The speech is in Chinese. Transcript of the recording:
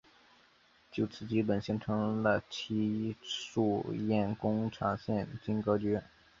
就此基本形成了戚墅堰工厂现今格局。